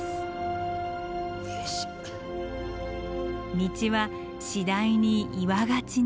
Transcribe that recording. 道は次第に岩がちに。